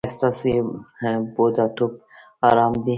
ایا ستاسو بوډاتوب ارام دی؟